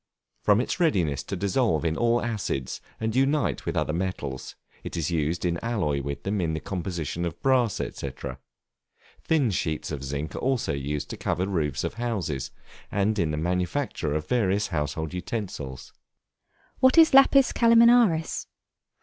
From its readiness to dissolve in all acids, and unite with other metals, it is used in alloy with them in the composition of brass, &c. Thin sheets of zinc are also used to cover roofs of houses, and in the manufacture of various household utensils. What is Lapis Calaminaris?